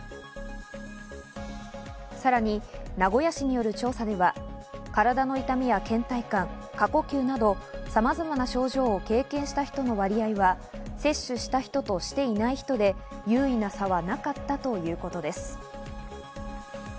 さらに名古屋市による調査では体の痛みや倦怠感、過呼吸などさまざまな症状を経験した人の割合は接種した人としていない人で有意な差はなかったということです。